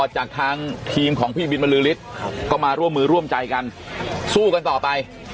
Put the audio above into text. จากทางทีมของพี่บินบรือฤทธิ์ก็มาร่วมมือร่วมใจกันสู้กันต่อไป